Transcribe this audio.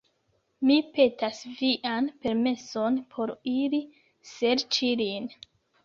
Mi petas vian permeson por iri serĉi lin.”